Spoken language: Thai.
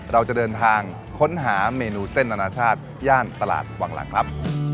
เราจะเดินทางค้นหาเมนูเส้นอนาชาติย่านตลาดวังหลังครับ